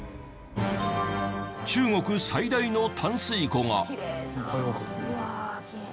中国最大の淡水湖が。